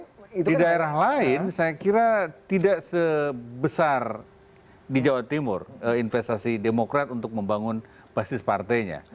nah di daerah lain saya kira tidak sebesar di jawa timur investasi demokrat untuk membangun basis partainya